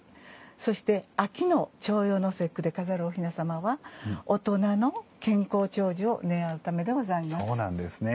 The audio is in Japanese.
そして、秋の重陽の節句で飾るお雛様は大人の健康長寿を願うためでございます。